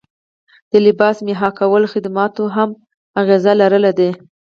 د لباس مهیا کولو خدماتو هم اغیزه لرلې ده